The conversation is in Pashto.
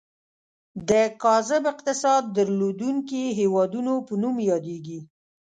د کاذب اقتصاد درلودونکي هیوادونو په نوم یادیږي.